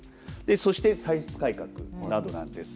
そして歳出改革などなんです。